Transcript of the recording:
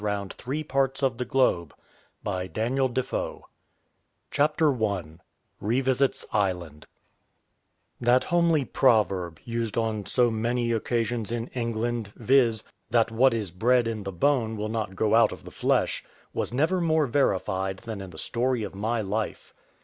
org THE FURTHER ADVENTURES OF ROBINSON CRUSOE CHAPTER I REVISITS ISLAND That homely proverb, used on so many occasions in England, viz. "That what is bred in the bone will not go out of the flesh," was never more verified than in the story of my Life.